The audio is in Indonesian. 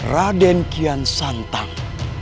raden kian santang